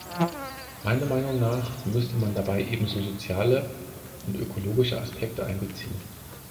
Meiner Meinung nach müsste man dabei ebenso soziale und ökologische Aspekte einbeziehen.